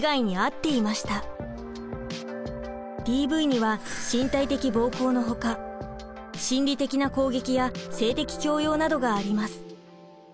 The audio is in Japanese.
ＤＶには身体的暴行のほか心理的な攻撃や性的強要などがあります。